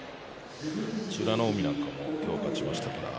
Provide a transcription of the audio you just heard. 美ノ海なんかも今日、勝ちましたからね。